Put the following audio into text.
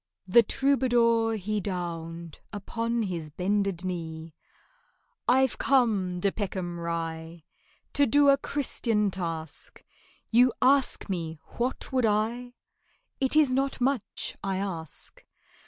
The troubadour he downed Upon his bended knee. "I've come, DE PECKHAM RYE, To do a Christian task; You ask me what would I? It is not much I ask.